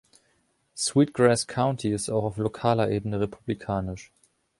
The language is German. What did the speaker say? Sweet Grass County ist auch auf lokaler Ebene republikanisch.